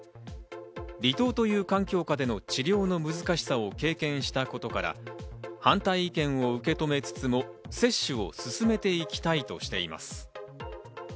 離島という環境下での治療の難しさを経験したことから、反対意見を受け止めつつも、接種を進めていきたいとしています。